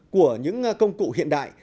của những công cụ hiện đại